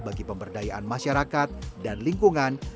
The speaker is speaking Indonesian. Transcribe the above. bagi pemberdayaan masyarakat dan lingkungan